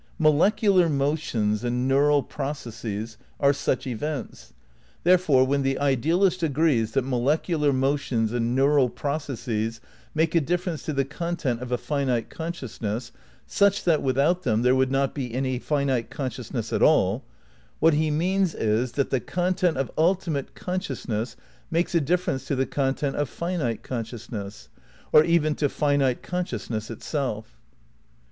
Molecular motions and neural processes are such VIII RECONSTRUCTION OF IDEALISM 265 events. Therefore when the idealist agrees that mole cular motions and neural processes make a difference to the content of a finite consciousness such that with out them there would not be any finite consciousness at all, what he means is that the content of ultimate con sciousness makes a difference to the content of finite consciousness, or even to finite consciousness itself.